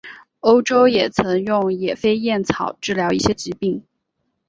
欧洲也曾用野飞燕草治疗一些疾病。